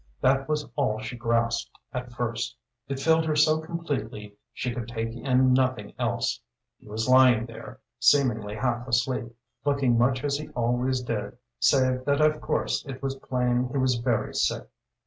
That was all she grasped at first; it filled her so completely she could take in nothing else. He was lying there, seemingly half asleep, looking much as he always did, save that of course it was plain he was very sick.